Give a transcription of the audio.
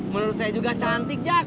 menurut saya juga cantik ya